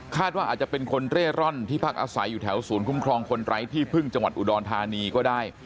ว่าอาจจะเป็นคนเร่ร่อนที่พักอาศัยอยู่แถวศูนย์คุ้มครองคนไร้ที่พึ่งจังหวัดอุดรธานีก็ได้